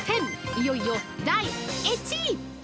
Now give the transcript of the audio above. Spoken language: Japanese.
いよいよ第１位！